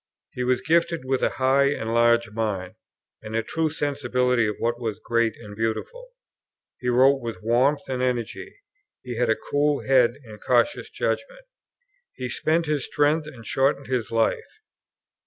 He was gifted with a high and large mind, and a true sensibility of what was great and beautiful; he wrote with warmth and energy; and he had a cool head and cautious judgment. He spent his strength and shortened his life.